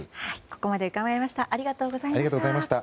ここまで伺いました。